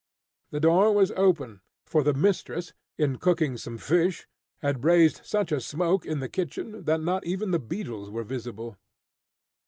The door was open, for the mistress, in cooking some fish, had raised such a smoke in the kitchen that not even the beetles were visible.